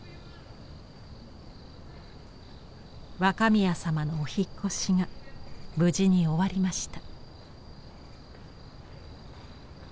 若宮様のお引っ越しが無事に終わりました。